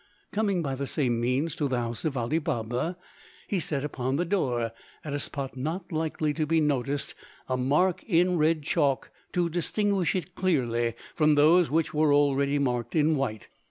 Coming by the same means to the house of Ali Baba, he set upon the door, at a spot not likely to be noticed, a mark in red chalk to distinguish it clearly from those which were already marked in white.